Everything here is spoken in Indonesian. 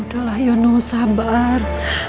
udah lah yono sabar